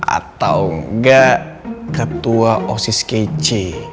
atau nggak ketua osis kece